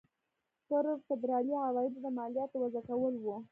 پر فدرالي عوایدو د مالیاتو وضع کول وو.